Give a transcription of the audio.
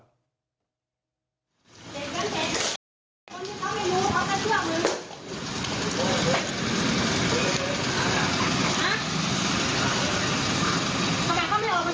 พี่มึงน่ะ